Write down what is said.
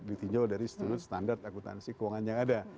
ditinjau dari setelah standar akuntansi keuangan yang ada